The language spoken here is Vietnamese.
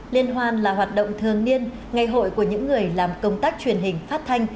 liên hoan là hoạt động thường niên ngày hội của những người làm công tác truyền hình phát thanh